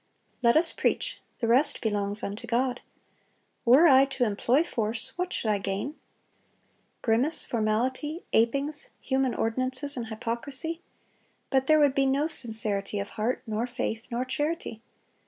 Let us preach; the rest belongs unto God. Were I to employ force, what should I gain? Grimace, formality, apings, human ordinances, and hypocrisy.... But there would be no sincerity of heart, nor faith, nor charity.